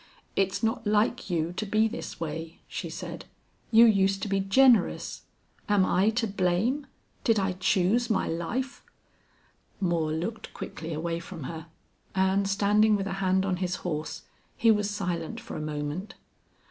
"It's not like you to be this way," she said. "You used to be generous. Am I to blame? Did I choose my life?" Moore looked quickly away from her, and, standing with a hand on his horse, he was silent for a moment.